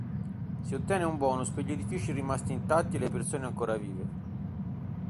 Si ottiene un bonus per gli edifici rimasti intatti e le persone ancora vive.